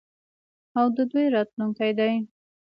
او د دوی راتلونکی دی.